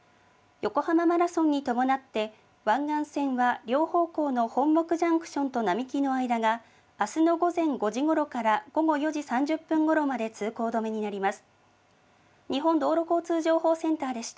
横浜マラソンに伴って、湾岸線は両方向の本牧ジャンクションと並木の間が、あすの午前５時から午後４時３０分ごろまで通行止めになります。